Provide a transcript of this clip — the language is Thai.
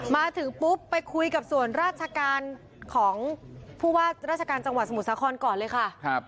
มาถึงปุ๊บไปคุยกับส่วนราชการของผู้ว่าราชการจังหวัดสมุทรสาครก่อนเลยค่ะ